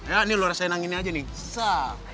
ya ini lo rasain anginnya aja nih